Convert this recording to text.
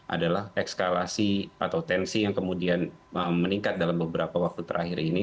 adalah ekskalasi atau tensi yang kemudian meningkat dalam beberapa waktu terakhir ini